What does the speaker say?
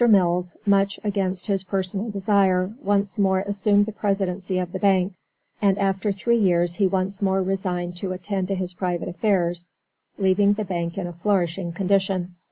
Mills, much against his personal desire, once more assumed the presidency of the bank, and after three years he once more resigned to attend to his private affairs; leaving the bank in a flourishing condition.